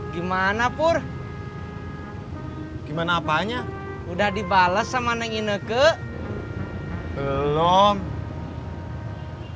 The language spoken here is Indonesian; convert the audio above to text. gimana pur gimana apanya udah dibalas sama neng ini ke belum kayaknya hp neke mati ah masa tadi